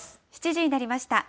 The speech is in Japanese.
７時になりました。